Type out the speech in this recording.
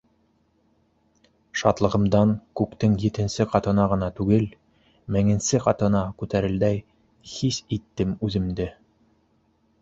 Шатлығымдан күктең етенсе ҡатына ғына түгел, меңенсе ҡатына күтәрелгәндәй хис иттем үҙемде.